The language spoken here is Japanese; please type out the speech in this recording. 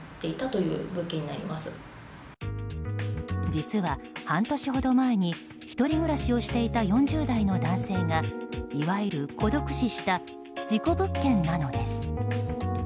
実は、半年ほど前に一人暮らしをしていた４０代の男性がいわゆる孤独死した事故物件なのです。